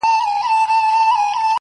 زما په لستوڼي کي ښامار لوی که-